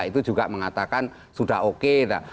itu juga mengatakan sudah oke